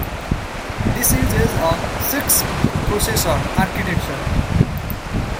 This uses the Cisc processor architecture.